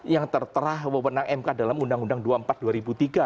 yang tertera wawonang mk dalam undang undang